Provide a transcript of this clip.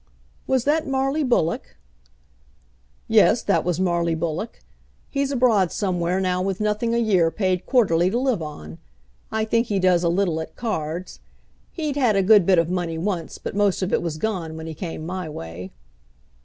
"Was that Marley Bullock?" "Yes; that was Marley Bullock. He's abroad somewhere now with nothing a year paid quarterly to live on. I think he does a little at cards. He'd had a good bit of money once, but most of it was gone when he came my way."